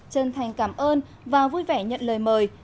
chân thành cảm ơn và vui vẻ nhận lời mời